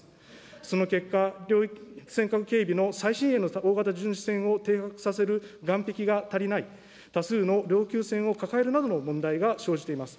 その結果、尖閣警備の最新鋭の大型巡視船を停泊させる岸壁が足りない、多数の老朽船を抱えるなどの問題が生じています。